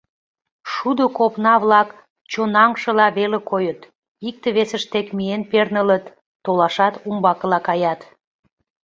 Шудо копна-влак чонаҥшыла веле койыт: икте-весышт деке миен пернылыт, толашат, умбакыла каят.